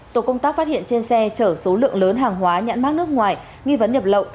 tổ công tác phát hiện trên xe chở số lượng lớn hàng hóa nhãn mát nước ngoài nghi vấn nhập lậu